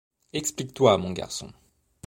Explique-toi, mon garçon.